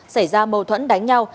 xảy ra mâu thuẫn đánh nhau